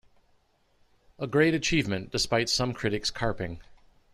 A great achievement, despite some critics' carping.